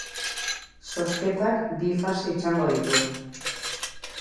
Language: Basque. Zozketak bi fase izango ditu.